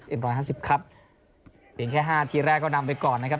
ร้อยห้าสิบครับเพียงแค่ห้าทีแรกก็นำไปก่อนนะครับ